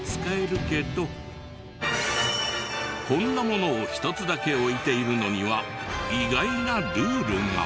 こんなものを１つだけ置いているのには意外なルールが。